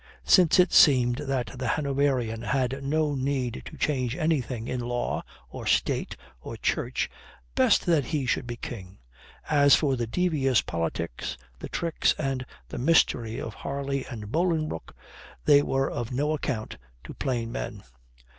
Since it seemed that the Hanoverian had no need to change anything in law or State or Church, best that he should be king. As for the devious politics, the tricks, and the mystery of Harley and Bolingbroke, they were of no account to plain men.